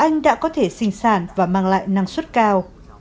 anh đã có thể sinh sản và mang lại năng suất cao